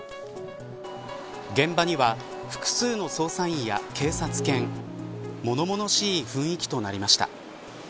現場には複数の捜査員や警察犬物々しい雰囲気となりました。